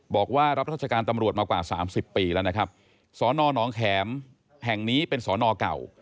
บอกว่ารับราชการตำรวจมากว่าสามสิบปีแล้วนะครับสนน้องแข็มแห่งนี้เป็นสอนอเก่า